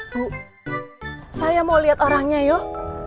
bu saya mau lihat orangnya yuk